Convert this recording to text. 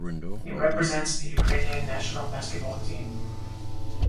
He represents the Ukrainian national basketball team.